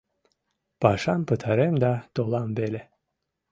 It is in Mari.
Пашам пытарем да толам веле.